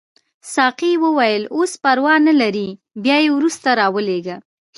ساقي وویل اوس پروا نه لري بیا یې وروسته راولېږه.